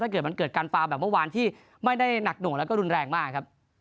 เกิดมันเกิดการฟาวแบบเมื่อวานที่ไม่ได้หนักหน่วงแล้วก็รุนแรงมากครับ